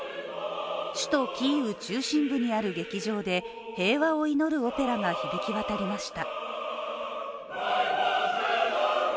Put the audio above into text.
首都キーウ中心部にある劇場で平和を祈るオペラが響き渡りました。